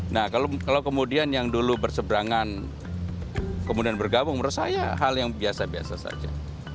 nah kalau kemudian yang dulu berseberangan kemudian bergabung menurut saya hal yang biasa biasa saja